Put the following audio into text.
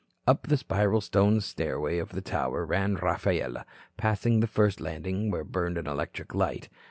Up the spiral stone stairway of the tower ran Rafaela, passing the first landing where burned an electric light.